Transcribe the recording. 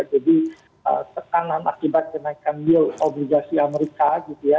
jadi tekanan akibat kenaikan yield obligasi amerika gitu ya